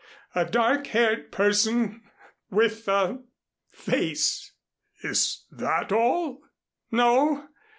A dark haired person with a face." "Is that all?" "No.